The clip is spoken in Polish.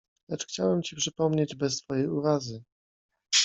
Lecz chciałem ci przypomnieć, bez twojej urazy